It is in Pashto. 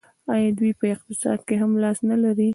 آیا دوی په اقتصاد کې هم لاس نلري؟